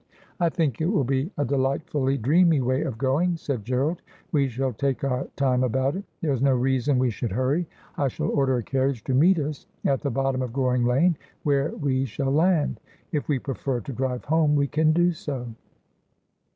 ' I think it will be a delightfully dreamy way of going,' said Gerald. ' We shall take our time about it. There is no reason we should hurry. I shall order a carriage to meet us at the bottom of Goring Lane, where we shall land. If we prefer to drive home we can do so.'